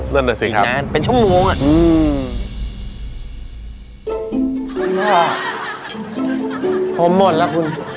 เริ่มด้วยสิครับ